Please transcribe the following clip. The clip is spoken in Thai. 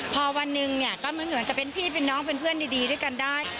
พอวันนึงก็เหมือนกับเป็นพี่เป็นน้องเพื่อนดีด้วยกันได้